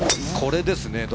これですね。